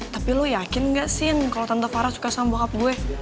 tapi lo yakin gak sin kalo tante farah suka sama bokap gue